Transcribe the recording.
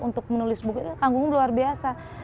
untuk menulis buku kagum luar biasa